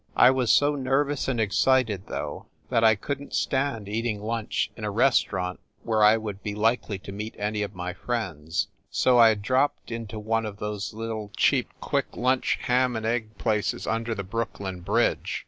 I was so nervous and excited, though, that I couldn t stand eating lunch in a restaurant where I would be likely to meet any of my friends, so I dropped into one of those little cheap quick lunch ham and egg places under the Brooklyn Bridge.